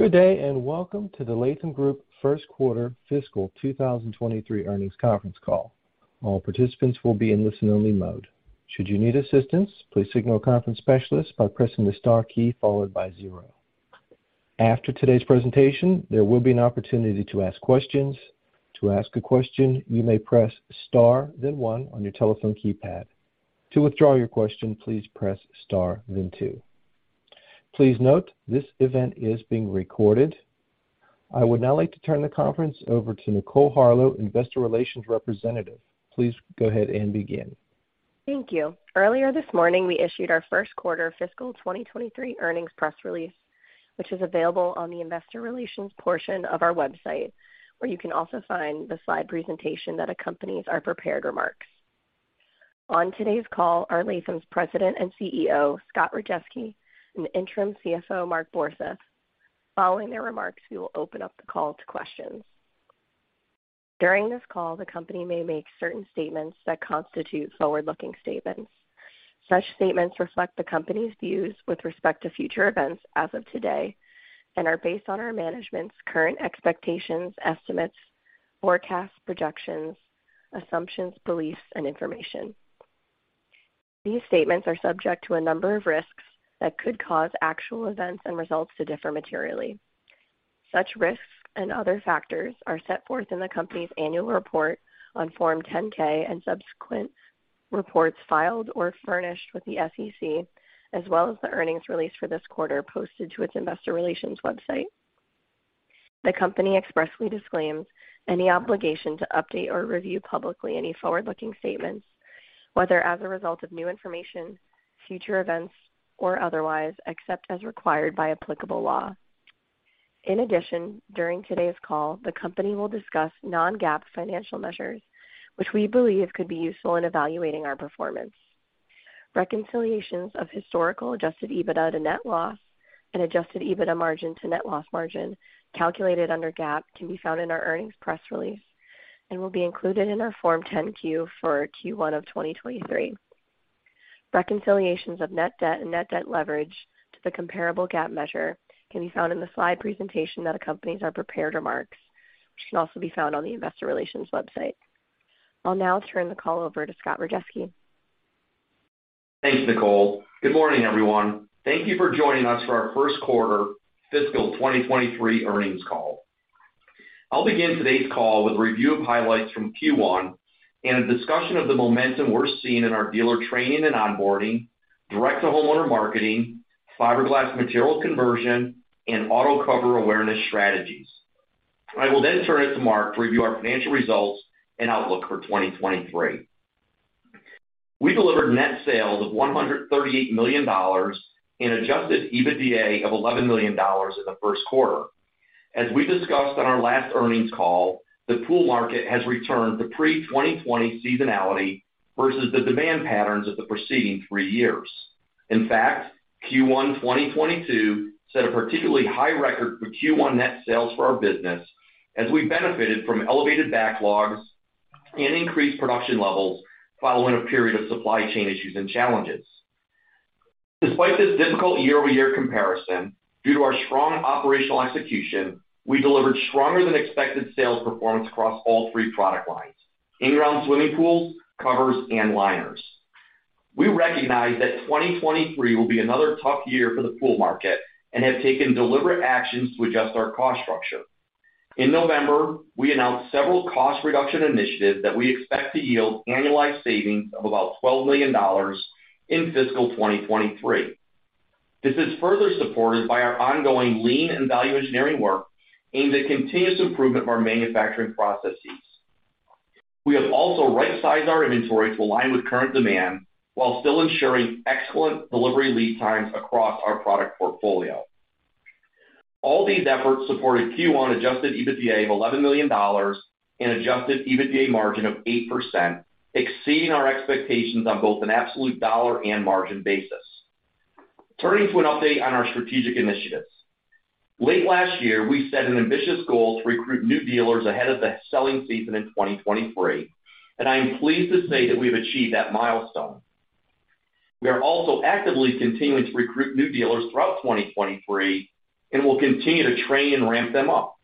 Good day. Welcome to the Latham Group first quarter fiscal 2023 earnings conference call. All participants will be in listen-only mode. Should you need assistance, please signal a conference specialist by pressing the star key followed by zero. After today's presentation, there will be an opportunity to ask questions. To ask a question, you may press star then one on your telephone keypad. To withdraw your question, please press star then two. Please note, this event is being recorded. I would now like to turn the conference over to Nicole Harlow, Investor Relations Representative. Please go ahead and begin. Thank you. Earlier this morning, we issued our first quarter fiscal 2023 earnings press release, which is available on the investor relations portion of our website, where you can also find the slide presentation that accompanies our prepared remarks. On today's call are Latham's President and CEO, Scott Rajeski, and Interim CFO, Mark Borseth. Following their remarks, we will open up the call to questions. During this call, the company may make certain statements that constitute forward-looking statements. Such statements reflect the company's views with respect to future events as of today and are based on our management's current expectations, estimates, forecasts, projections, assumptions, beliefs, and information. These statements are subject to a number of risks that could cause actual events and results to differ materially. Such risks and other factors are set forth in the company's annual report on Form 10-K and subsequent reports filed or furnished with the SEC, as well as the earnings release for this quarter posted to its investor relations website. The company expressly disclaims any obligation to update or review publicly any forward-looking statements, whether as a result of new information, future events, or otherwise, except as required by applicable law. In addition, during today's call, the company will discuss non-GAAP financial measures, which we believe could be useful in evaluating our performance. Reconciliations of historical adjusted EBITDA to net loss and adjusted EBITDA margin to net loss margin calculated under GAAP can be found in our earnings press release and will be included in our Form 10-Q for Q1 of 2023. Reconciliations of net debt and net debt leverage to the comparable GAAP measure can be found in the slide presentation that accompanies our prepared remarks, which can also be found on the investor relations website. I'll now turn the call over to Scott Rajeski. Thanks, Nicole. Good morning, everyone. Thank you for joining us for our first quarter fiscal 2023 earnings call. I'll begin today's call with a review of highlights from Q1 and a discussion of the momentum we're seeing in our dealer training and onboarding, direct-to-homeowner marketing, fiberglass material conversion, and autocover awareness strategies. I will turn it to Mark to review our financial results and outlook for 2023. We delivered net sales of $138 million and adjusted EBITDA of $11 million in the first quarter. As we discussed on our last earnings call, the pool market has returned to pre-2020 seasonality versus the demand patterns of the preceding three years. In fact, Q1 2022 set a particularly high record for Q1 net sales for our business as we benefited from elevated backlogs and increased production levels following a period of supply chain issues and challenges. Despite this difficult year-over-year comparison, due to our strong operational execution, we delivered stronger than expected sales performance across all three product lines: in-ground swimming pools, covers, and liners. We recognize that 2023 will be another tough year for the pool market and have taken deliberate actions to adjust our cost structure. In November, we announced several cost reduction initiatives that we expect to yield annualized savings of about $12 million in fiscal 2023. This is further supported by our ongoing lean and value engineering work aimed at continuous improvement of our manufacturing processes. We have also right-sized our inventory to align with current demand while still ensuring excellent delivery lead times across our product portfolio. All these efforts supported Q1 adjusted EBITDA of $11 million and adjusted EBITDA margin of 8%, exceeding our expectations on both an absolute dollar and margin basis. Turning to an update on our strategic initiatives. Late last year, we set an ambitious goal to recruit new dealers ahead of the selling season in 2023. I am pleased to say that we've achieved that milestone. We are also actively continuing to recruit new dealers throughout 2023. We'll continue to train and ramp them up.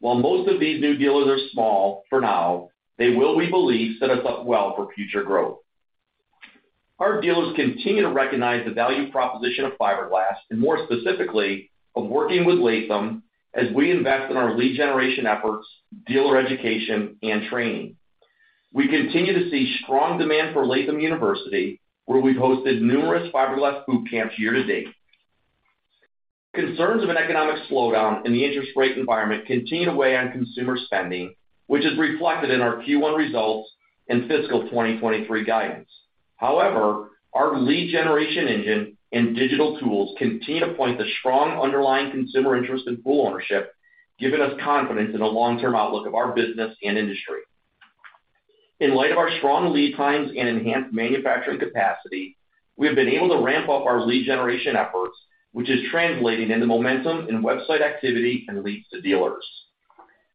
While most of these new dealers are small for now, they will, we believe, set us up well for future growth. Our dealers continue to recognize the value proposition of fiberglass and more specifically of working with Latham as we invest in our lead generation efforts, dealer education and training. We continue to see strong demand for Latham University, where we've hosted numerous fiberglass boot camps year to date. Concerns of an economic slowdown in the interest rate environment continue to weigh on consumer spending, which is reflected in our Q1 results and fiscal 2023 guidance. However, our lead generation engine and digital tools continue to point to strong underlying consumer interest in pool ownership, giving us confidence in the long-term outlook of our business and industry. In light of our strong lead times and enhanced manufacturing capacity, we have been able to ramp up our lead generation efforts, which is translating into momentum in website activity and leads to dealers.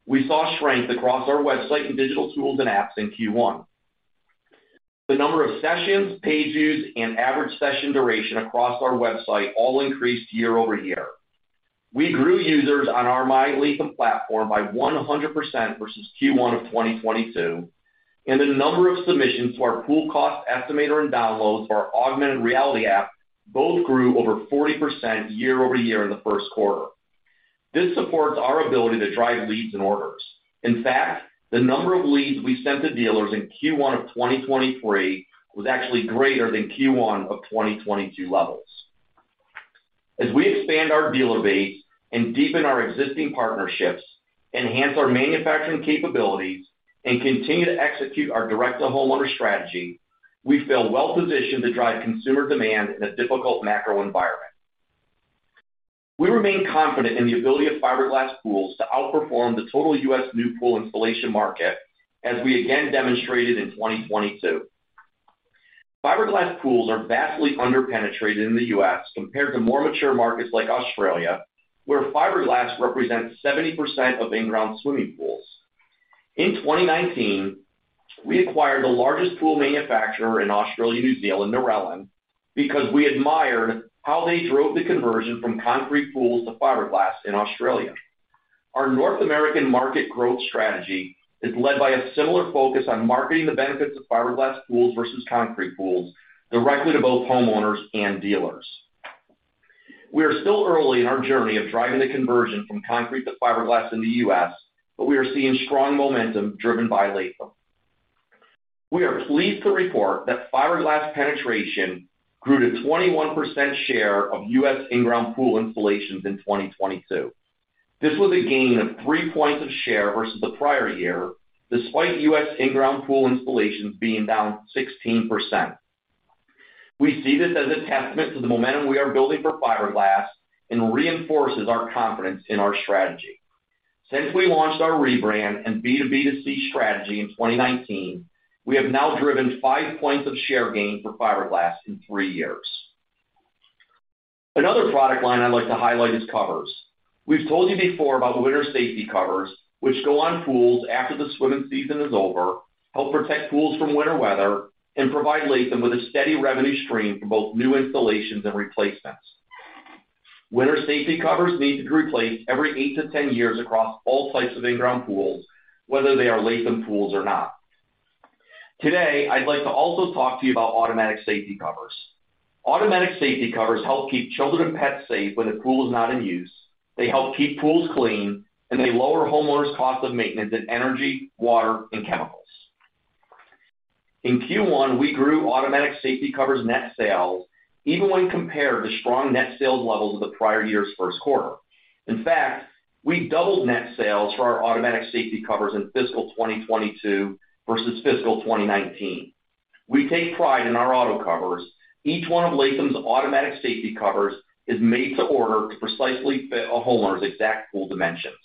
We saw strength across our website and digital tools and apps in Q1. The number of sessions, page views, and average session duration across our website all increased year-over-year. We grew users on our My Latham platform by 100% versus Q1 of 2022, and the number of submissions to our Pool Cost Estimator and downloads for our augmented reality app both grew over 40% year-over-year in the first quarter. This supports our ability to drive leads and orders. In fact, the number of leads we sent to dealers in Q1 of 2023 was actually greater than Q1 of 2022 levels. As we expand our dealer base and deepen our existing partnerships, enhance our manufacturing capabilities, and continue to execute our direct-to-homeowner strategy, we feel well positioned to drive consumer demand in a difficult macro environment. We remain confident in the ability of fiberglass pools to outperform the total U.S. new pool installation market, as we again demonstrated in 2022. Fiberglass pools are vastly under-penetrated in the U.S. compared to more mature markets like Australia, where fiberglass represents 70% of in-ground swimming pools. In 2019, we acquired the largest pool manufacturer in Australia and New Zealand, Narellan, because we admired how they drove the conversion from concrete pools to fiberglass in Australia. Our North American market growth strategy is led by a similar focus on marketing the benefits of fiberglass pools versus concrete pools directly to both homeowners and dealers. We are still early in our journey of driving the conversion from concrete to fiberglass in the U.S., but we are seeing strong momentum driven by Latham. We are pleased to report that fiberglass penetration grew to 21% share of U.S. in-ground pool installations in 2022. This was a gain of three points of share versus the prior year, despite U.S. in-ground pool installations being down 16%. We see this as a testament to the momentum we are building for fiberglass and reinforces our confidence in our strategy. Since we launched our rebrand and B2B2C strategy in 2019, we have now driven five points of share gain for fiberglass in three years. Another product line I'd like to highlight is covers. We've told you before about winter safety covers, which go on pools after the swimming season is over, help protect pools from winter weather, and provide Latham with a steady revenue stream for both new installations and replacements. Winter safety covers need to be replaced every 8 to 10 years across all types of in-ground pools, whether they are Latham pools or not. Today, I'd like to also talk to you about automatic safety covers. Automatic safety covers help keep children and pets safe when the pool is not in use, they help keep pools clean, they lower homeowners' cost of maintenance and energy, water, and chemicals. In Q1, we grew automatic safety covers net sales even when compared to strong net sales levels of the prior year's first quarter. In fact, we doubled net sales for our automatic safety covers in fiscal 2022 versus fiscal 2019. We take pride in our auto covers. Each one of Latham's automatic safety covers is made to order to precisely fit a homeowner's exact pool dimensions.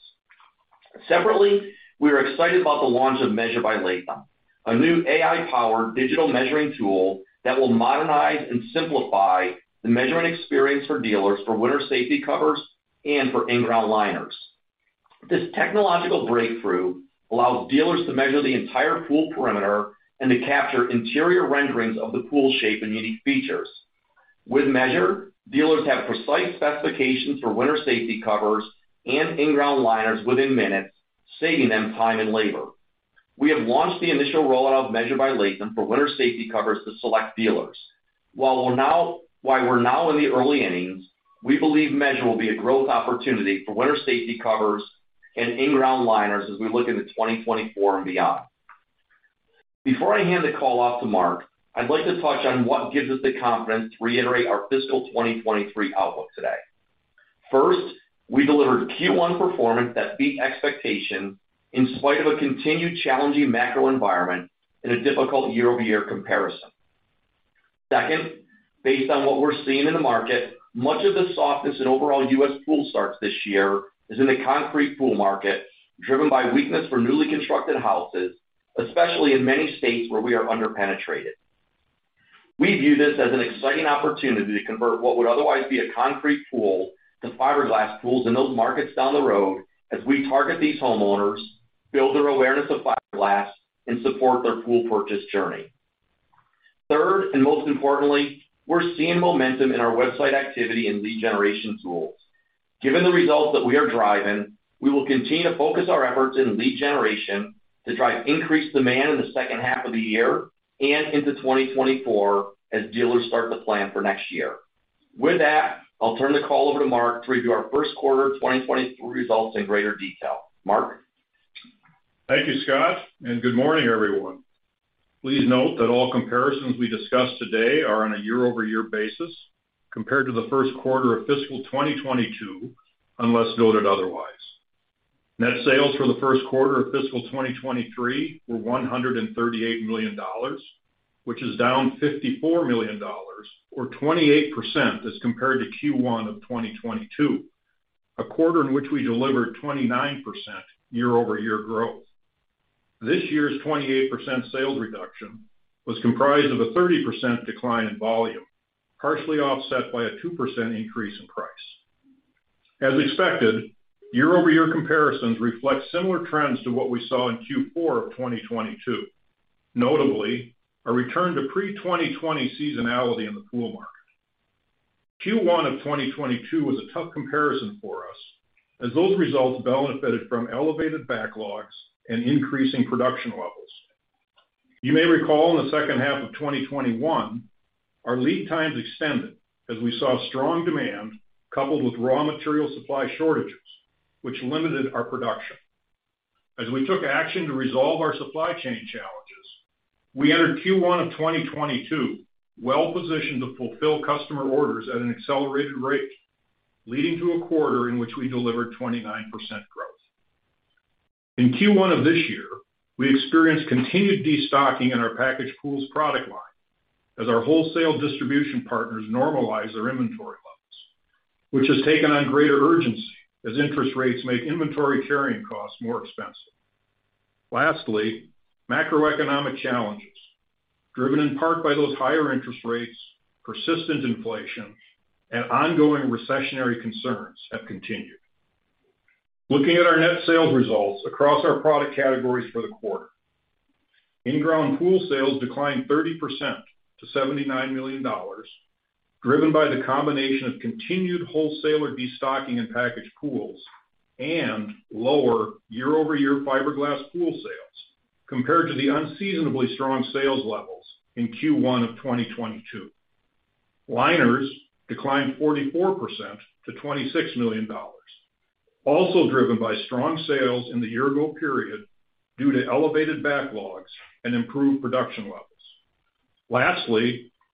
Separately, we are excited about the launch of Measure by Latham, a new AI-powered digital measuring tool that will modernize and simplify the measuring experience for dealers for winter safety covers and for in-ground liners. This technological breakthrough allows dealers to measure the entire pool perimeter and to capture interior renderings of the pool shape and unique features. With Measure, dealers have precise specifications for winter safety covers and in-ground liners within minutes, saving them time and labor. We have launched the initial rollout of Measure by Latham for winter safety covers to select dealers. While we're now in the early innings, we believe Measure will be a growth opportunity for winter safety covers and in-ground liners as we look into 2024 and beyond. Before I hand the call off to Mark, I'd like to touch on what gives us the confidence to reiterate our fiscal 2023 outlook today. First, we delivered Q1 performance that beat expectations in spite of a continued challenging macro environment in a difficult year-over-year comparison. Second, based on what we're seeing in the market, much of the softness in overall U.S. pool starts this year is in the concrete pool market, driven by weakness for newly constructed houses, especially in many states where we are under-penetrated. We view this as an exciting opportunity to convert what would otherwise be a concrete pool to fiberglass pools in those markets down the road as we target these homeowners, build their awareness of fiberglass, and support their pool purchase journey. Third, most importantly, we're seeing momentum in our website activity and lead generation tools. Given the results that we are driving, we will continue to focus our efforts in lead generation to drive increased demand in the second half of the year and into 2024 as dealers start to plan for next year. I'll turn the call over to Mark to review our first quarter 2023 results in greater detail. Mark? Thank you, Scott. Good morning, everyone. Please note that all comparisons we discuss today are on a year-over-year basis compared to the first quarter of fiscal 2022, unless noted otherwise. Net sales for the first quarter of fiscal 2023 were $138 million, which is down $54 million or 28% as compared to Q1 of 2022, a quarter in which we delivered 29% year-over-year growth. This year's 28% sales reduction was comprised of a 30% decline in volume, partially offset by a 2% increase in price. As expected, year-over-year comparisons reflect similar trends to what we saw in Q4 of 2022. Notably, a return to pre-2020 seasonality in the pool market. Q1 of 2022 was a tough comparison for us as those results benefited from elevated backlogs and increasing production levels. You may recall in the second half of 2021, our lead times extended as we saw strong demand coupled with raw material supply shortages, which limited our production. As we took action to resolve our supply chain challenges, we entered Q1 of 2022 well positioned to fulfill customer orders at an accelerated rate, leading to a quarter in which we delivered 29% growth. In Q1 of this year, we experienced continued destocking in our packaged pools product line as our wholesale distribution partners normalize their inventory levels, which has taken on greater urgency as interest rates make inventory carrying costs more expensive. Lastly, macroeconomic challenges driven in part by those higher interest rates, persistent inflation, and ongoing recessionary concerns have continued. Looking at our net sales results across our product categories for the quarter. In-ground pool sales declined 30% to $79 million, driven by the combination of continued wholesaler destocking in packaged pools and lower year-over-year fiberglass pool sales compared to the unseasonably strong sales levels in Q1 of 2022. Liners declined 44% to $26 million, also driven by strong sales in the year-ago period due to elevated backlogs and improved production levels.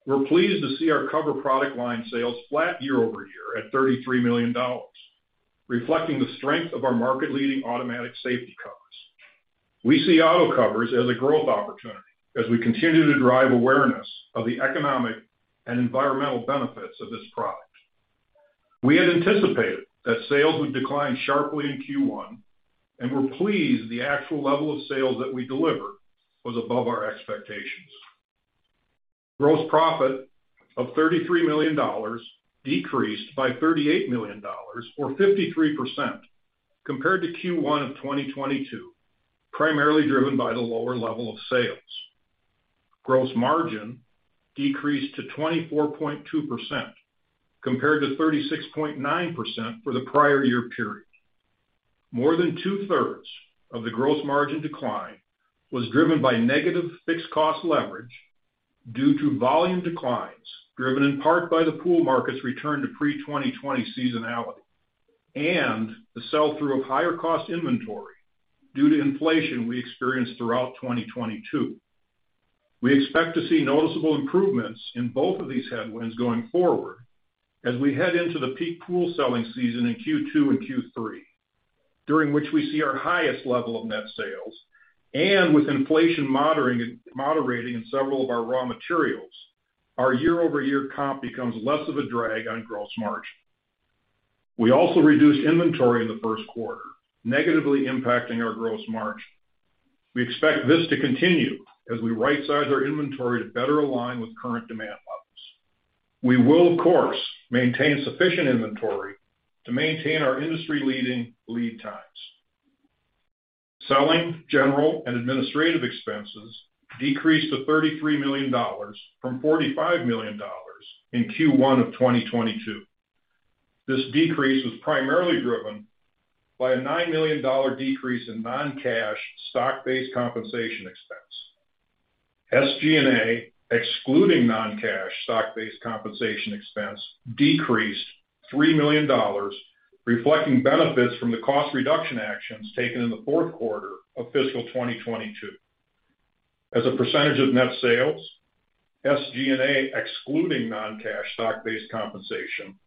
We're pleased to see our cover product line sales flat year-over-year at $33 million, reflecting the strength of our market-leading automatic safety covers. We see auto covers as a growth opportunity as we continue to drive awareness of the economic and environmental benefits of this product. We had anticipated that sales would decline sharply in Q1, we're pleased the actual level of sales that we delivered was above our expectations. Gross profit of $33 million decreased by $38 million or 53% compared to Q1 of 2022, primarily driven by the lower level of sales. Gross margin decreased to 24.2% compared to 36.9% for the prior year period. More than two-thirds of the gross margin decline was driven by negative fixed cost leverage due to volume declines, driven in part by the pool market's return to pre-2020 seasonality and the sell-through of higher cost inventory due to inflation we experienced throughout 2022. We expect to see noticeable improvements in both of these headwinds going forward as we head into the peak pool selling season in Q2 and Q3, during which we see our highest level of net sales. With inflation moderating in several of our raw materials, our year-over-year comp becomes less of a drag on gross margin. We also reduced inventory in the first quarter, negatively impacting our gross margin. We expect this to continue as we right-size our inventory to better align with current demand levels. We will of course, maintain sufficient inventory to maintain our industry-leading lead times. Selling, General, and Administrative expenses decreased to $33 million from $45 million in Q1 of 2022. This decrease was primarily driven by a $9 million decrease in non-cash stock-based compensation expense. SG&A, excluding non-cash stock-based compensation expense, decreased $3 million, reflecting benefits from the cost reduction actions taken in the fourth quarter of fiscal 2022. As a percentage of net sales, SG&A, excluding non-cash stock-based compensation,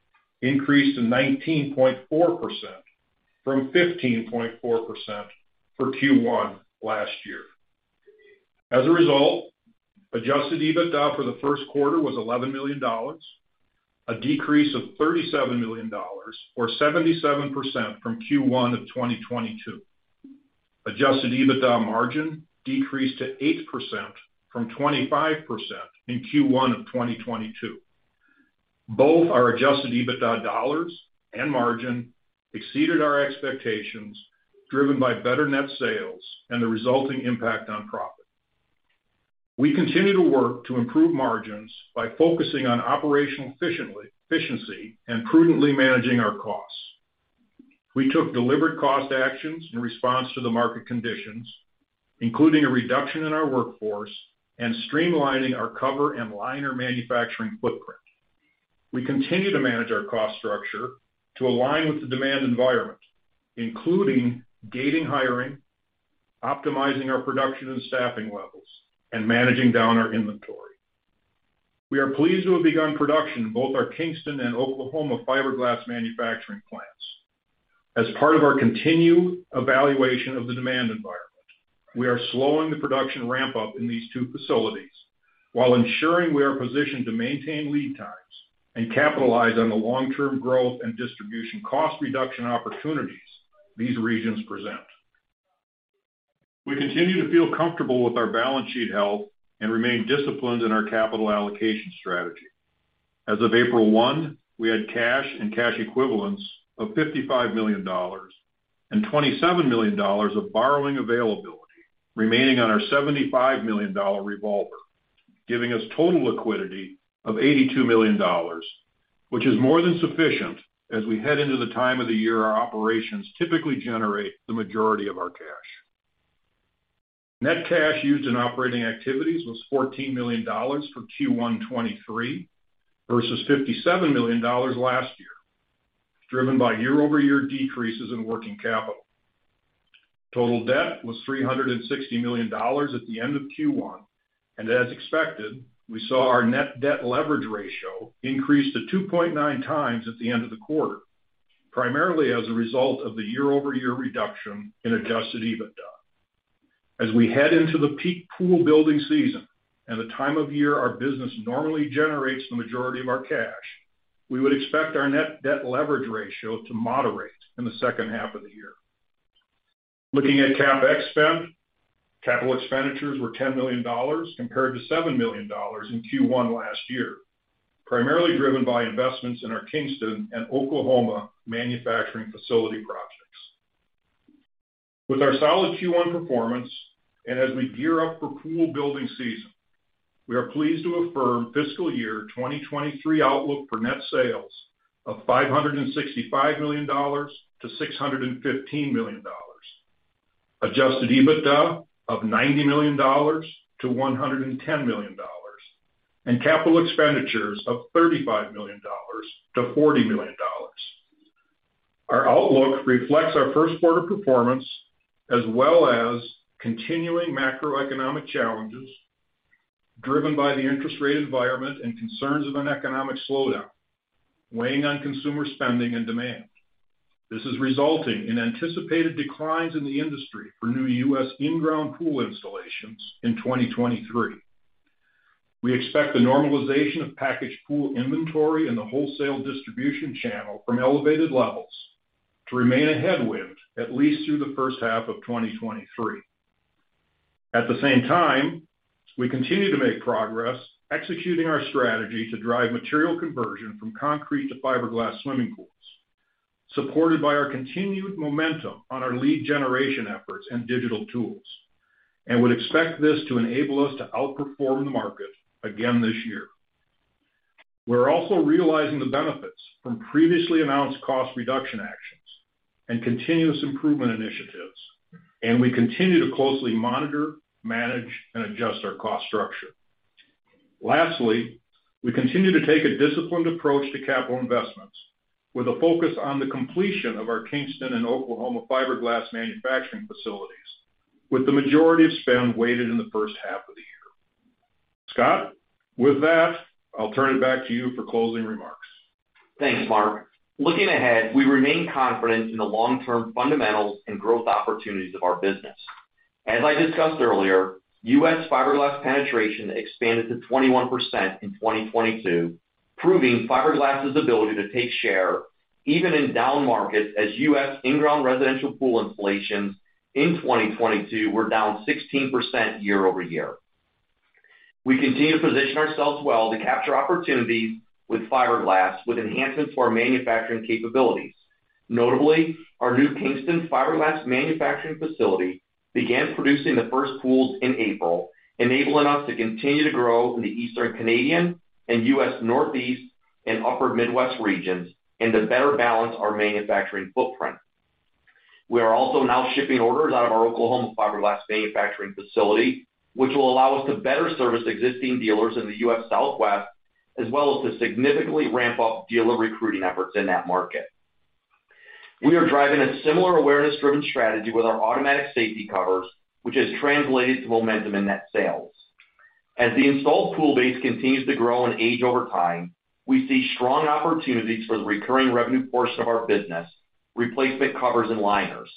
increased to 19.4% from 15.4% for Q1 last year. As a result, Adjusted EBITDA for the first quarter was $11 million, a decrease of $37 million or 77% from Q1 of 2022. Adjusted EBITDA margin decreased to 8% from 25% in Q1 of 2022. Both our Adjusted EBITDA dollars and margin exceeded our expectations, driven by better net sales and the resulting impact on profit. We continue to work to improve margins by focusing on operational efficiency and prudently managing our costs. We took deliberate cost actions in response to the market conditions, including a reduction in our workforce and streamlining our cover and liner manufacturing footprint. We continue to manage our cost structure to align with the demand environment, including gating hiring, optimizing our production and staffing levels, and managing down our inventory. We are pleased to have begun production in both our Kingston and Oklahoma fiberglass manufacturing plants. As part of our continued evaluation of the demand environment, we are slowing the production ramp-up in these two facilities while ensuring we are positioned to maintain lead times and capitalize on the long-term growth and distribution cost reduction opportunities these regions present. We continue to feel comfortable with our balance sheet health and remain disciplined in our capital allocation strategy. As of April 1, we had cash and cash equivalents of $55 million and $27 million of borrowing availability remaining on our $75 million revolver, giving us total liquidity of $82 million, which is more than sufficient as we head into the time of the year our operations typically generate the majority of our cash. Net cash used in operating activities was $14 million for Q1 '23 versus $57 million last year, driven by year-over-year decreases in working capital. Total debt was $360 million at the end of Q1. As expected, we saw our net debt leverage ratio increase to 2.9x at the end of the quarter, primarily as a result of the year-over-year reduction in adjusted EBITDA. As we head into the peak pool building season and the time of year our business normally generates the majority of our cash, we would expect our net debt leverage ratio to moderate in the second half of the year. Looking at CapEx spend, capital expenditures were $10 million compared to $7 million in Q1 last year, primarily driven by investments in our Kingston and Oklahoma manufacturing facility projects. With our solid Q1 performance, and as we gear up for pool building season, we are pleased to affirm fiscal year 2023 outlook for net sales of $565 million-$615 million, adjusted EBITDA of $90 million-$110 million, and capital expenditures of $35 million-$40 million. Our outlook reflects our first quarter performance, as well as continuing macroeconomic challenges driven by the interest rate environment and concerns of an economic slowdown weighing on consumer spending and demand. This is resulting in anticipated declines in the industry for new U.S. in-ground pool installations in 2023. We expect the normalization of packaged pool inventory in the wholesale distribution channel from elevated levels to remain a headwind at least through the first half of 2023. At the same time, we continue to make progress executing our strategy to drive material conversion from concrete to fiberglass swimming pools, supported by our continued momentum on our lead generation efforts and digital tools, and would expect this to enable us to outperform the market again this year. We're also realizing the benefits from previously announced cost reduction actions and continuous improvement initiatives, and we continue to closely monitor, manage, and adjust our cost structure. Lastly, we continue to take a disciplined approach to capital investments with a focus on the completion of our Kingston and Oklahoma fiberglass manufacturing facilities, with the majority of spend weighted in the first half of the year. Scott, with that, I'll turn it back to you for closing remarks. Thanks, Mark. Looking ahead, we remain confident in the long-term fundamentals and growth opportunities of our business. As I discussed earlier, U.S. fiberglass penetration expanded to 21% in 2022, proving fiberglass's ability to take share even in down markets as U.S. in-ground residential pool installations in 2022 were down 16% year-over-year. We continue to position ourselves well to capture opportunities with fiberglass with enhancements to our manufacturing capabilities. Notably, our new Kingston fiberglass manufacturing facility began producing the first pools in April, enabling us to continue to grow in the Eastern Canadian and U.S. Northeast and Upper Midwest regions, and to better balance our manufacturing footprint. We are also now shipping orders out of our Oklahoma fiberglass manufacturing facility, which will allow us to better service existing dealers in the U.S. Southwest, as well as to significantly ramp up dealer recruiting efforts in that market. We are driving a similar awareness-driven strategy with our automatic safety covers, which has translated to momentum in net sales. As the installed pool base continues to grow and age over time, we see strong opportunities for the recurring revenue portion of our business, replacement covers and liners.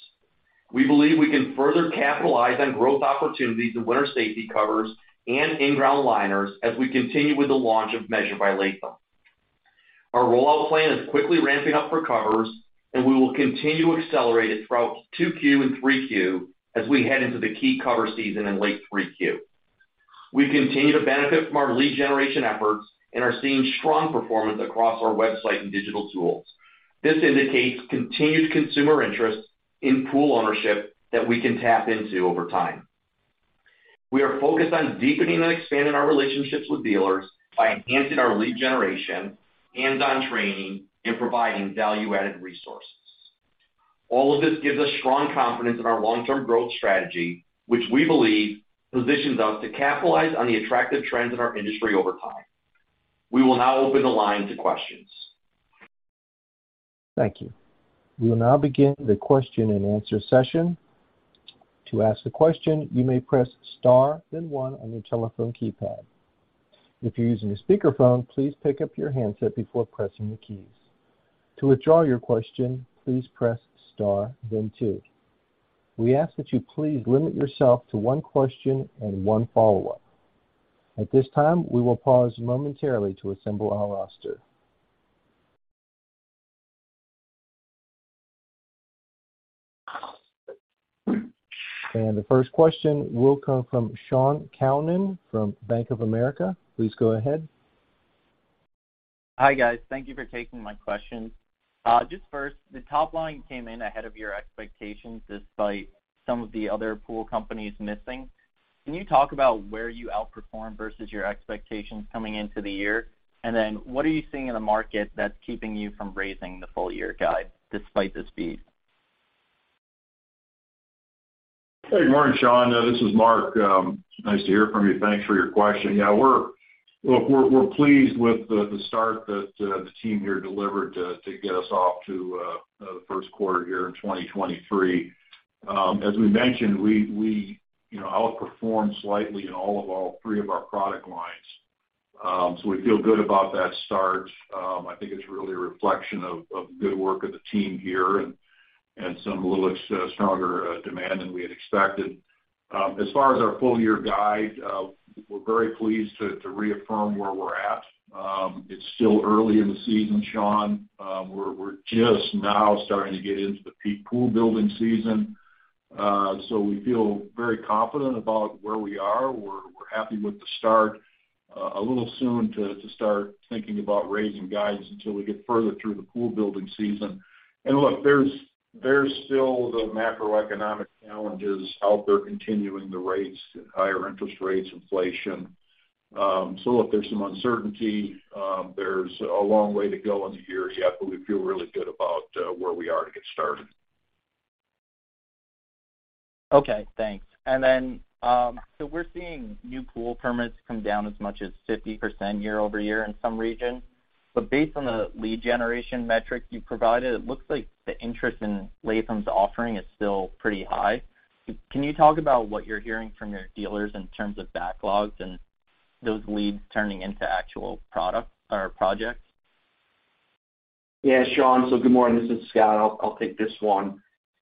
We believe we can further capitalize on growth opportunities in winter safety covers and in-ground liners as we continue with the launch of Measure by Latham. Our rollout plan is quickly ramping up for covers, and we will continue to accelerate it throughout two Q and three Q as we head into the key cover season in late three Q. We continue to benefit from our lead generation efforts and are seeing strong performance across our website and digital tools. This indicates continued consumer interest in pool ownership that we can tap into over time. We are focused on deepening and expanding our relationships with dealers by enhancing our lead generation, hands-on training, and providing value-added resources. All of this gives us strong confidence in our long-term growth strategy, which we believe positions us to capitalize on the attractive trends in our industry over time. We will now open the line to questions. Thank you. We will now begin the question and answer session. To ask a question, you may press star then one on your telephone keypad. If you're using a speakerphone, please pick up your handset before pressing the keys. To withdraw your question, please press star then two. We ask that you please limit yourself to one question and one follow-up. At this time, we will pause momentarily to assemble our roster. The first question will come from Rafe Jadrosich from Bank of America. Please go ahead. Hi, guys. Thank you for taking my questions. Just first, the top line came in ahead of your expectations, despite some of the other pool companies missing. Can you talk about where you outperformed versus your expectations coming into the year? What are you seeing in the market that's keeping you from raising the full year guide despite the speed? Hey, good morning, Sean. This is Mark. Nice to hear from you. Thanks for your question. Yeah, we're pleased with the start that the team here delivered to get us off to the first quarter here in 2023. As we mentioned, we, you know, outperformed slightly in all of all 3 of our product lines. We feel good about that start. I think it's really a reflection of good work of the team here and some little stronger demand than we had expected. As far as our full year guide, we're very pleased to reaffirm where we're at. It's still early in the season, Sean. We're just now starting to get into the peak pool building season. So we feel very confident about where we are. We're happy with the start. A little soon to start thinking about raising guides until we get further through the pool building season. Look, there's still the macroeconomic challenges out there continuing to raise higher interest rates, inflation. So look, there's some uncertainty. There's a long way to go in the year yet, but we feel really good about where we are to get started. Okay, thanks. We're seeing new pool permits come down as much as 50% year-over-year in some regions. Based on the lead generation metric you provided, it looks like the interest in Latham's offering is still pretty high. Can you talk about what you're hearing from your dealers in terms of backlogs and those leads turning into actual product or projects? Yeah, Sean. Good morning. This is Scott. I'll take this one.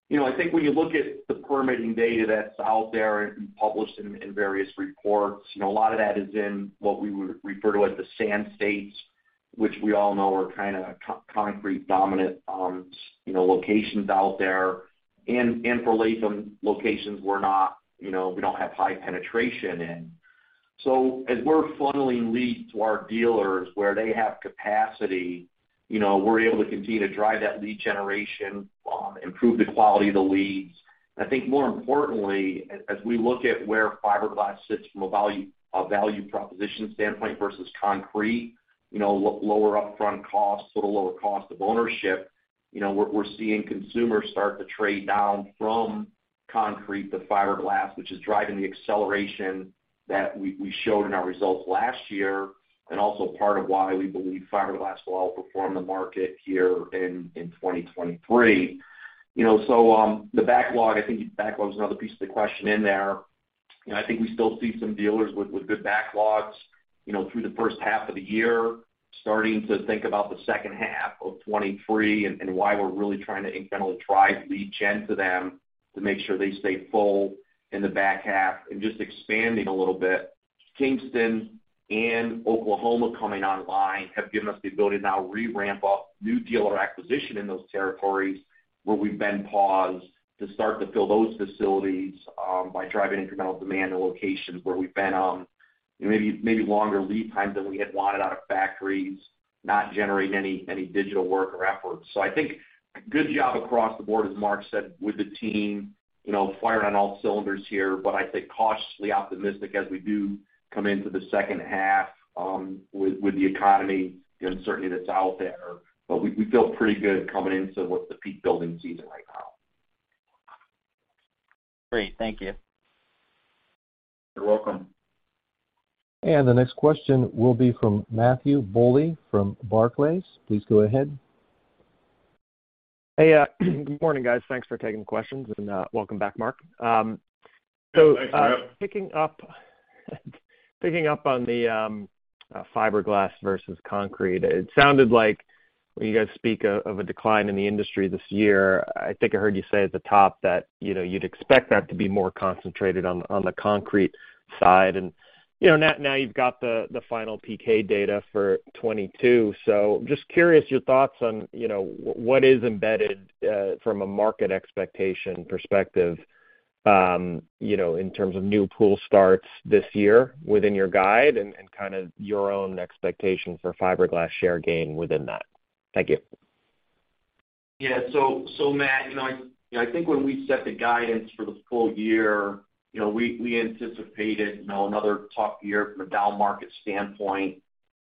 You know, I think when you look at the permitting data that's out there and published in various reports, you know, a lot of that is in what we would refer to as the Sand States, which we all know are kinda concrete dominant, you know, locations out there. For Latham, locations we're not, you know, we don't have high penetration in. As we're funneling leads to our dealers where they have capacity, you know, we're able to continue to drive that lead generation, improve the quality of the leads. I think more importantly, as we look at where fiberglass sits from a value, a value proposition standpoint versus concrete, you know, lower upfront costs, the lower cost of ownership, you know, we're seeing consumers start to trade down from concrete to fiberglass, which is driving the acceleration that we showed in our results last year and also part of why we believe fiberglass will outperform the market here in 2023. You know, the backlog, I think backlog is another piece of the question in there. You know, I think we still see some dealers with good backlogs, you know, through the first half of the year, starting to think about the second half of 23 and why we're really trying to incrementally drive lead gen to them to make sure they stay full in the back half. Just expanding a little bit, Kingston and Oklahoma coming online have given us the ability to now re-ramp up new dealer acquisition in those territories where we've been paused to start to fill those facilities by driving incremental demand in locations where we've been maybe longer lead times than we had wanted out of factories, not generating any digital work or efforts. I think good job across the board, as Mark said, with the team, you know, firing on all cylinders here. I'd say cautiously optimistic as we do come into the second half with the economy and certainly that's out there. We feel pretty good coming into what's the peak building season right now. Great. Thank you. You're welcome. The next question will be from Matthew Bouley from Barclays. Please go ahead. Hey, good morning, guys. Thanks for taking questions, and welcome back, Mark. Yeah. Thanks, Matt. Picking up on the fiberglass versus concrete, it sounded like when you guys speak of a decline in the industry this year, I think I heard you say at the top that, you know, you'd expect that to be more concentrated on the concrete side. You know, now you've got the final Pkdata for 2022. Just curious your thoughts on, you know, what is embedded from a market expectation perspective, you know, in terms of new pool starts this year within your guide and kind of your own expectation for fiberglass share gain within that. Thank you. Matt, you know, I, you know, I think when we set the guidance for the full year, you know, we anticipated, you know, another tough year from a down market standpoint.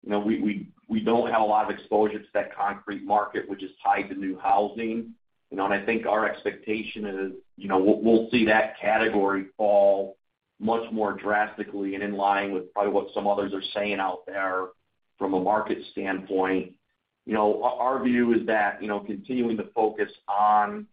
You know, we don't have a lot of exposure to that concrete market, which is tied to new housing. I think our expectation is, you know, we'll see that category fall much more drastically and in line with probably what some others are saying out there from a market standpoint. Our view is that, you know, continuing to focus on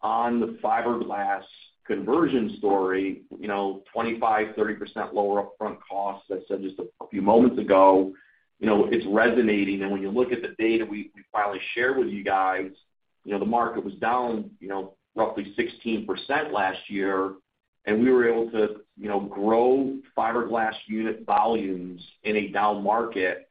the fiberglass conversion story, you know, 25%-30% lower upfront costs, as said just a few moments ago, you know, it's resonating. When you look at the data we finally shared with you guys, you know, the market was down, you know, roughly 16% last year. We were able to, you know, grow fiberglass unit volumes in a down market,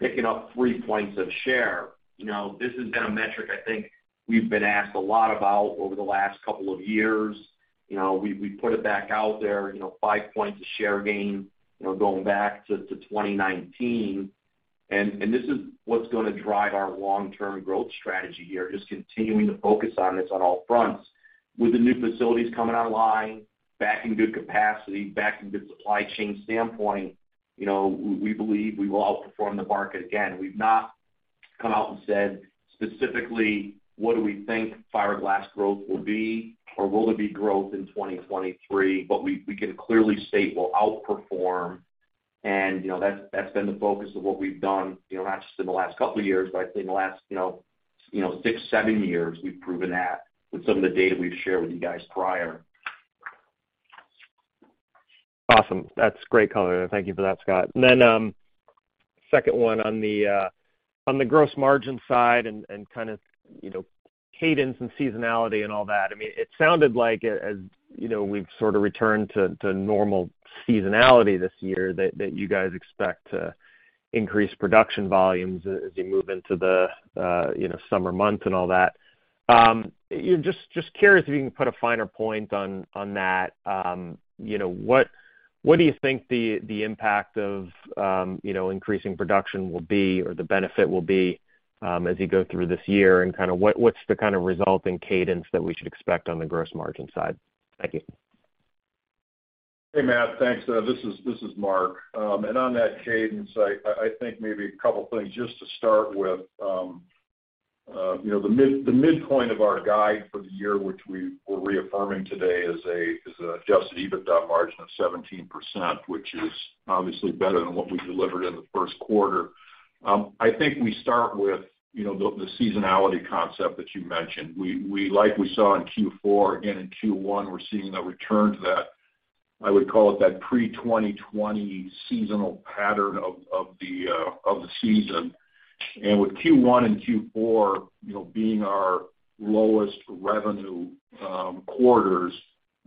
picking up 3 points of share. You know, this has been a metric I think we've been asked a lot about over the last couple of years. You know, we put it back out there, you know, 5 points of share gain, you know, going back to 2019. This is what's gonna drive our long-term growth strategy here, just continuing to focus on this on all fronts. With the new facilities coming online, back in good capacity, back in good supply chain standpoint, you know, we believe we will outperform the market again. We've not come out and said specifically what do we think fiberglass growth will be or will there be growth in 2023, but we can clearly state we'll outperform and, you know, that's been the focus of what we've done, you know, not just in the last couple of years, but I think the last, you know, you know, six, seven years we've proven that with some of the data we've shared with you guys prior. Awesome. That's great color. Thank you for that, Scott. Second one on the gross margin side and kind of, you know, cadence and seasonality and all that. I mean, it sounded like as, you know, we've sort of returned to normal seasonality this year that you guys expect to increase production volumes as you move into the, you know, summer months and all that. Just curious if you can put a finer point on that. You know, what do you think the impact of, you know, increasing production will be or the benefit will be, as you go through this year? What's the kind of resulting cadence that we should expect on the gross margin side? Thank you. Hey, Matt, thanks. This is Mark. On that cadence, I think maybe a couple things just to start with. You know, the midpoint of our guide for the year, which we're reaffirming today, is an adjusted EBITDA margin of 17%, which is obviously better than what we delivered in the first quarter. I think we start with, you know, the seasonality concept that you mentioned. We like we saw in Q4, again in Q1, we're seeing a return to that, I would call it that pre-2020 seasonal pattern of the season. With Q1 and Q4, you know, being our lowest revenue quarters,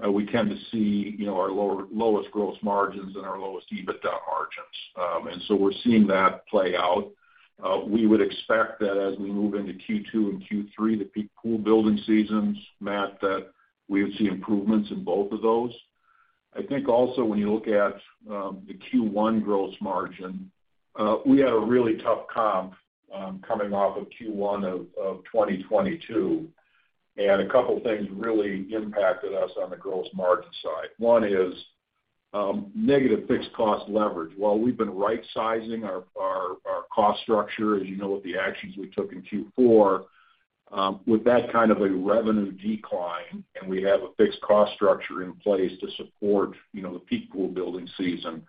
we tend to see, you know, our lowest gross margins and our lowest EBITDA margins. We're seeing that play out. We would expect that as we move into Q2 and Q3, the peak pool building seasons, Matt, that we would see improvements in both of those. The Q1 gross margin, we had a really tough comp coming off of Q1 of 2022, and a couple things really impacted us on the gross margin side. Negative fixed cost leverage. While we've been rightsizing our cost structure, as you know, with the actions we took in Q4, with that kind of a revenue decline, and we have a fixed cost structure in place to support, you know, the peak pool building season,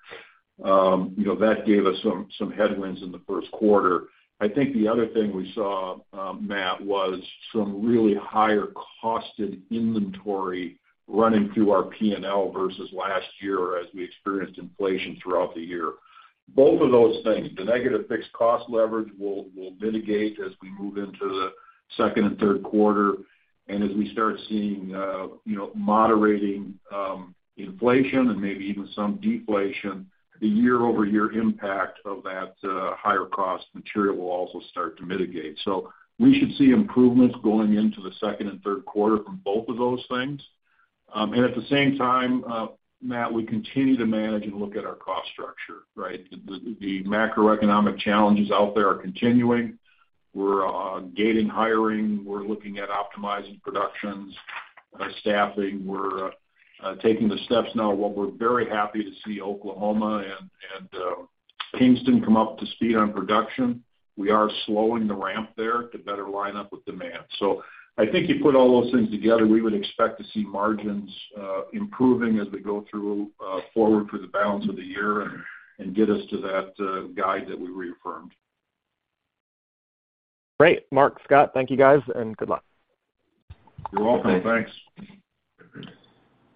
you know, that gave us some headwinds in the first quarter. I think the other thing we saw, Matt, was some really higher costed inventory running through our P&L versus last year as we experienced inflation throughout the year. Both of those things, the negative fixed cost leverage will mitigate as we move into the second and third quarter. As we start seeing, you know, moderating inflation and maybe even some deflation, the year-over-year impact of that higher cost material will also start to mitigate. We should see improvements going into the second and third quarter from both of those things. At the same time, Matt, we continue to manage and look at our cost structure, right? The macroeconomic challenges out there are continuing. We're gating hiring. We're looking at optimizing productions, staffing. We're taking the steps now. While we're very happy to see Oklahoma and Kingston come up to speed on production, we are slowing the ramp there to better line up with demand. I think you put all those things together, we would expect to see margins improving as we go through forward for the balance of the year and get us to that guide that we reaffirmed. Great. Mark, Scott, thank you guys, good luck. You're welcome. Thanks.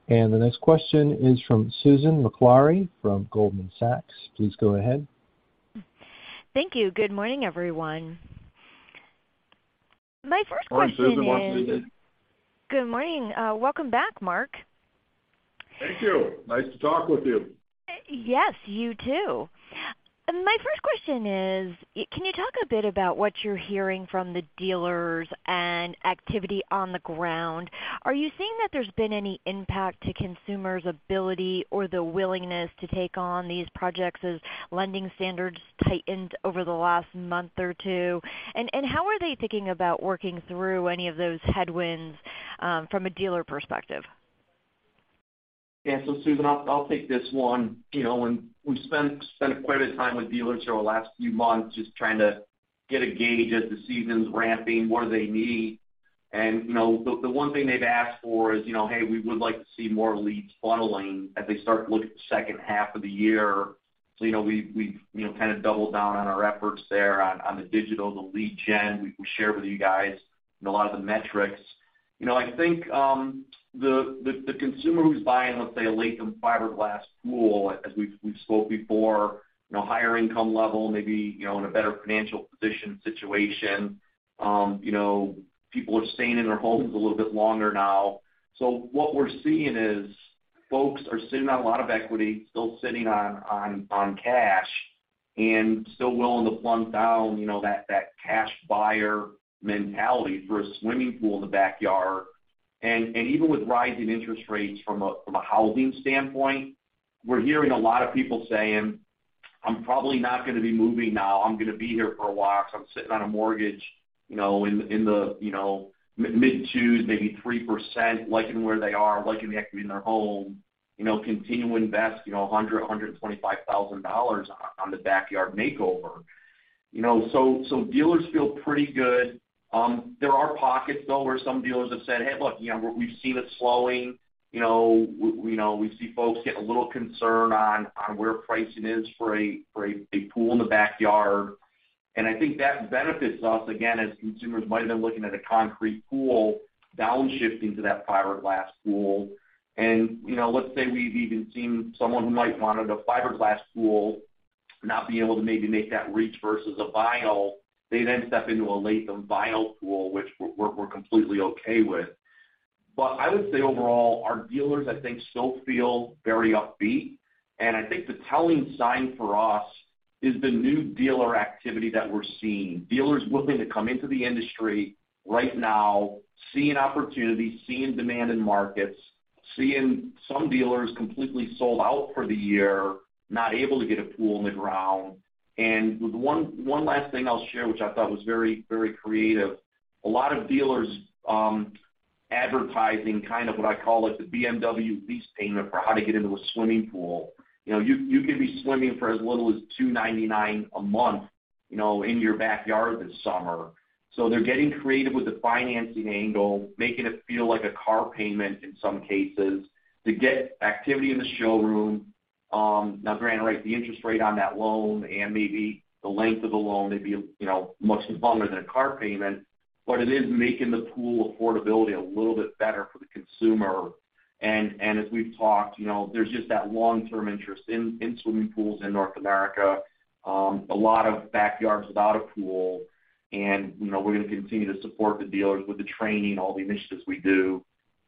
The next question is from Susan Maklari from Goldman Sachs. Please go ahead. Thank you. Good morning, everyone. My first question is- Morning, Susan. Welcome. Good morning. Welcome back, Mark. Thank you. Nice to talk with you. Yes, you too. My first question is, can you talk a bit about what you're hearing from the dealers and activity on the ground? Are you seeing that there's been any impact to consumers' ability or the willingness to take on these projects as lending standards tightened over the last month or two? How are they thinking about working through any of those headwinds from a dealer perspective? Yeah. Susan, I'll take this one. You know, we've spent quite a bit of time with dealers over the last few months just trying to get a gauge as the season's ramping, what do they need. You know, the one thing they've asked for is, you know, "Hey, we would like to see more leads funneling," as they start to look at the second half of the year. You know, we've, you know, kind of doubled down on our efforts there on the digital, the lead gen we share with you guys and a lot of the metrics. You know, I think the, the consumer who's buying, let's say, a Latham fiberglass pool, as we've spoke before, you know, higher income level, maybe, you know, in a better financial position situation, you know, people are staying in their homes a little bit longer now. What we're seeing is folks are sitting on a lot of equity, still sitting on cash. Still willing to plunk down, you know, that cash buyer mentality for a swimming pool in the backyard. Even with rising interest rates from a housing standpoint, we're hearing a lot of people saying, "I'm probably not gonna be moving now. I'm gonna be here for a while 'cause I'm sitting on a mortgage," you know, in the, you know, mid-2s, maybe 3%, liking where they are, liking the equity in their home. You know, continue to invest, you know, $125,000 on the backyard makeover. You know, dealers feel pretty good. There are pockets, though, where some dealers have said, "Hey, look, you know, we've seen it slowing. You know, we know, we see folks get a little concerned on where pricing is for a pool in the backyard." I think that benefits us again, as consumers might have been looking at a concrete pool downshifting to that fiberglass pool. You know, let's say we've even seen someone who might wanted a fiberglass pool not being able to maybe make that reach versus a vinyl. They then step into a Latham vinyl pool, which we're completely okay with. I would say overall, our dealers, I think, still feel very upbeat. I think the telling sign for us is the new dealer activity that we're seeing. Dealers willing to come into the industry right now, seeing opportunity, seeing demand in markets, seeing some dealers completely sold out for the year, not able to get a pool in the ground. The one last thing I'll share, which I thought was very creative. A lot of dealers advertising kind of what I call it, the BMW lease payment for how to get into a swimming pool. You know, you can be swimming for as little as $299 a month, you know, in your backyard this summer. They're getting creative with the financing angle, making it feel like a car payment in some cases, to get activity in the showroom. Now granted, right, the interest rate on that loan and maybe the length of the loan may be, you know, much longer than a car payment, but it is making the pool affordability a little bit better for the consumer. As we've talked, you know, there's just that long-term interest in swimming pools in North America. A lot of backyards without a pool. You know, we're gonna continue to support the dealers with the training, all the initiatives we do,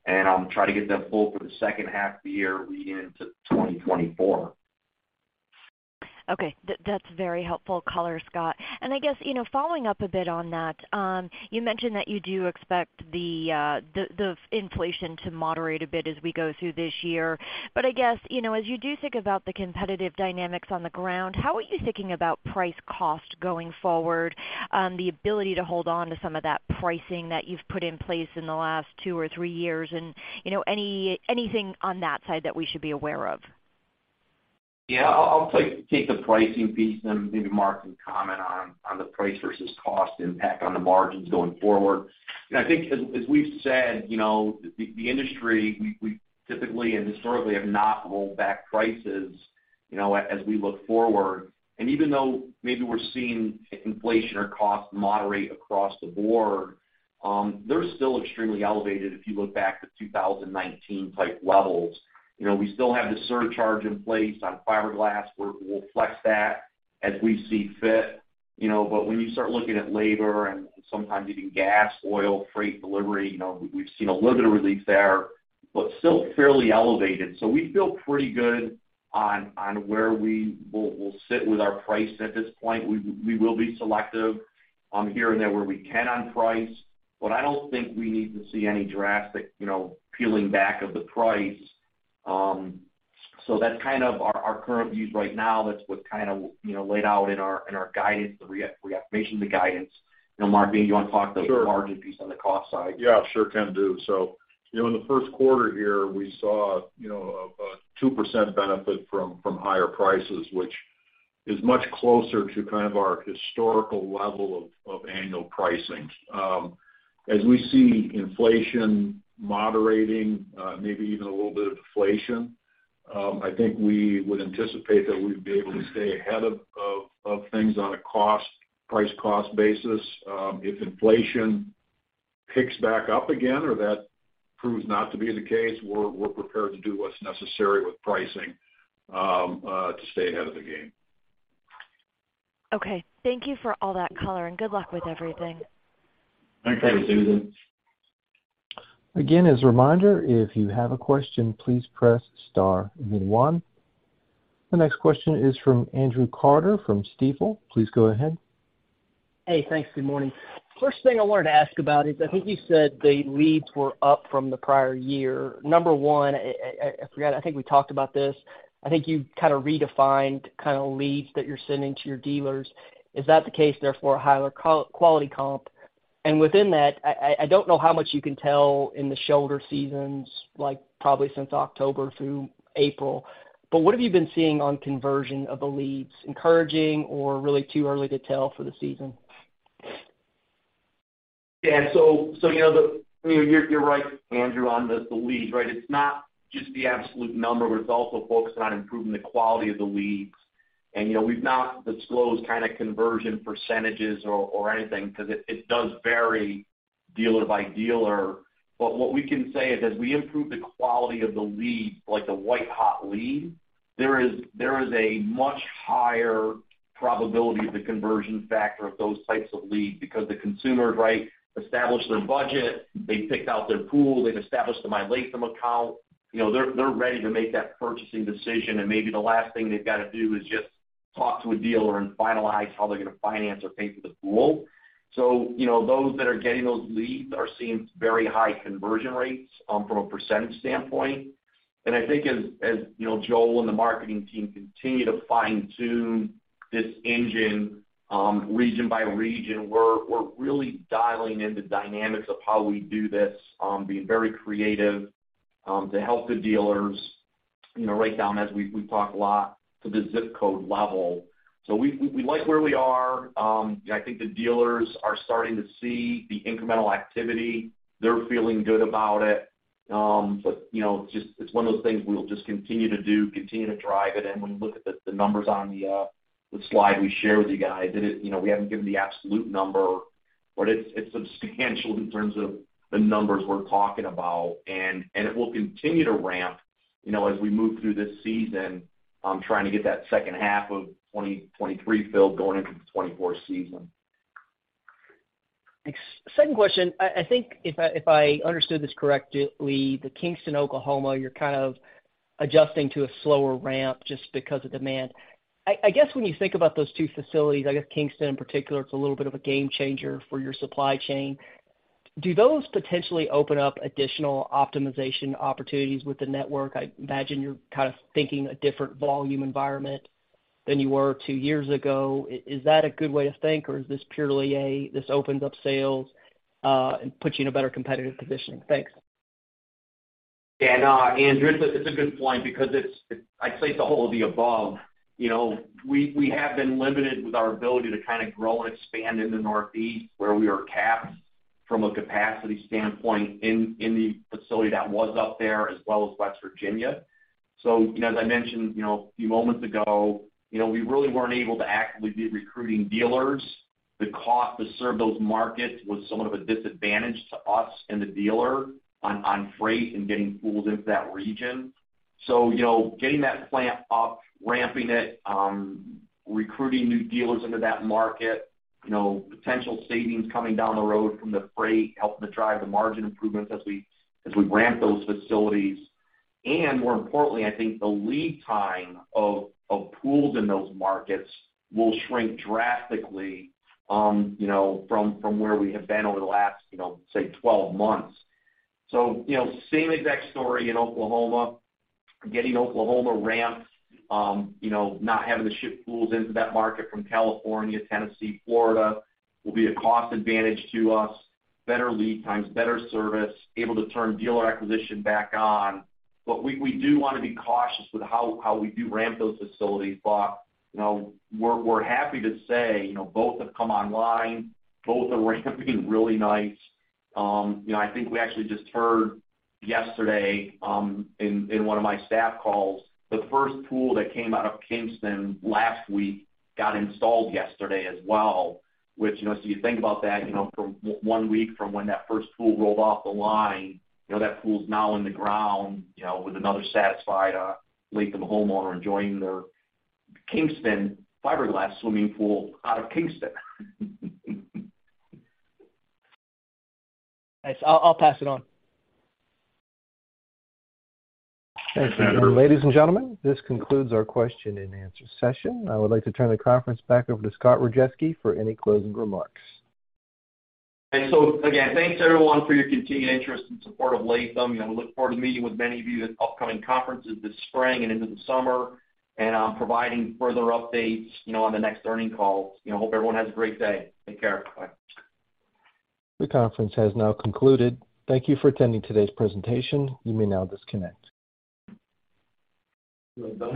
and try to get them full for the second half of the year leading into 2024. Okay. That's very helpful color, Scott. I guess, you know, following up a bit on that, you mentioned that you do expect the inflation to moderate a bit as we go through this year. I guess, you know, as you do think about the competitive dynamics on the ground, how are you thinking about price cost going forward? The ability to hold on to some of that pricing that you've put in place in the last two or three years and, you know, anything on that side that we should be aware of? Yeah. I'll take the pricing piece, and maybe Mark can comment on the price versus cost impact on the margins going forward. You know, I think as we've said, you know, the industry, we typically and historically have not rolled back prices, you know, as we look forward. Even though maybe we're seeing inflation or cost moderate across the board, they're still extremely elevated if you look back to 2019 type levels. You know, we still have the surcharge in place on fiberglass. We'll flex that as we see fit. You know, when you start looking at labor and sometimes even gas, oil, freight delivery, you know, we've seen a little bit of relief there, but still fairly elevated. We feel pretty good on where we will sit with our price at this point. We will be selective, here and there, where we can on price, but I don't think we need to see any drastic, you know, peeling back of the price. That's kind of our current views right now. That's what's kind of, you know, laid out in our, in our guidance, the reaffirmation of the guidance. You know, Mark, maybe you wanna talk Sure. Margin piece on the cost side. Yeah, sure can do. You know, in the first quarter here, we saw, you know, a 2% benefit from higher prices, which is much closer to kind of our historical level of annual pricing. As we see inflation moderating, maybe even a little bit of deflation, I think we would anticipate that we'd be able to stay ahead of things on a cost, price cost basis. If inflation picks back up again or that proves not to be the case, we're prepared to do what's necessary with pricing to stay ahead of the game. Okay. Thank you for all that color, and good luck with everything. Thanks, Susan. Thanks. Again, as a reminder, if you have a question, please press star then one. The next question is from Andrew Carter from Stifel. Please go ahead. Hey, thanks. Good morning. First thing I wanted to ask about is, I think you said the leads were up from the prior year. Number one, I forget, I think we talked about this. I think you kind of redefined kind of leads that you're sending to your dealers. Is that the case, therefore, a higher quality comp? Within that, I don't know how much you can tell in the shoulder seasons, like probably since October through April, but what have you been seeing on conversion of the leads? Encouraging or really too early to tell for the season? You know, you're right, Andrew, on the leads, right? It's not just the absolute number, but it's also focused on improving the quality of the leads. You know, we've not disclosed kinda conversion percentages or anything 'cause it does vary dealer by dealer. What we can say is, as we improve the quality of the lead, like the white-hot lead, there is a much higher probability of the conversion factor of those types of leads because the consumer, right, established their budget, they picked out their pool, they've established the My Latham account. You know, they're ready to make that purchasing decision, and maybe the last thing they've got to do is just talk to a dealer and finalize how they're gonna finance or pay for the pool. You know, those that are getting those leads are seeing very high conversion rates, from a percentage standpoint. I think as, you know, Joel and the marketing team continue to fine-tune this engine, region by region, we're really dialing in the dynamics of how we do this, being very creative, to help the dealers, you know, right down as we've talked a lot to the zip code level. We like where we are. I think the dealers are starting to see the incremental activity. They're feeling good about it. You know, just it's one of those things we'll just continue to do, continue to drive it. When you look at the numbers on the slide we shared with you guys, it, you know, we haven't given the absolute number, but it's substantial in terms of the numbers we're talking about. It will continue to ramp, you know, as we move through this season, trying to get that second half of 2023 filled going into the 2024 season. Second question. I think if I understood this correctly, the Kingston, Oklahoma, you're kind of adjusting to a slower ramp just because of demand. I guess when you think about those two facilities, I guess Kingston in particular, it's a little bit of a game changer for your supply chain. Do those potentially open up additional optimization opportunities with the network? I imagine you're kind of thinking a different volume environment than you were two years ago. Is that a good way to think, or is this purely a, this opens up sales and puts you in a better competitive positioning? Thanks. Yeah, no, Andrew, it's a, it's a good point because it's, I'd say it's all of the above. You know, we have been limited with our ability to kind of grow and expand in the Northeast, where we are capped from a capacity standpoint in the facility that was up there, as well as West Virginia. As I mentioned, you know, a few moments ago, you know, we really weren't able to actively be recruiting dealers. The cost to serve those markets was somewhat of a disadvantage to us and the dealer on freight and getting pools into that region. Getting that plant up, ramping it, recruiting new dealers into that market, you know, potential savings coming down the road from the freight, helping to drive the margin improvements as we ramp those facilities. More importantly, I think the lead time of pools in those markets will shrink drastically, you know, from where we have been over the last, you know, say, 12 months. Same exact story in Oklahoma. Getting Oklahoma ramped, you know, not having to ship pools into that market from California, Tennessee, Florida, will be a cost advantage to us. Better lead times, better service, able to turn dealer acquisition back on. We do wanna be cautious with how we do ramp those facilities. We're happy to say, you know, both have come online, both are ramping really nice. You know, I think we actually just heard yesterday, in one of my staff calls, the first pool that came out of Kingston last week got installed yesterday as well, which, you know, so you think about that, you know, from one week from when that first pool rolled off the line, you know, that pool's now in the ground, you know, with another satisfied Latham homeowner enjoying their Kingston fiberglass swimming pool out of Kingston. Nice. I'll pass it on. Thanks, Andrew. Ladies and gentlemen, this concludes our question and answer session. I would like to turn the conference back over to Scott Rajeski for any closing remarks. Again, thanks, everyone, for your continued interest and support of Latham. You know, we look forward to meeting with many of you at upcoming conferences this spring and into the summer, and, providing further updates, you know, on the next earnings call. You know, hope everyone has a great day. Take care. Bye. The conference has now concluded. Thank you for attending today's presentation. You may now disconnect. Bye-bye.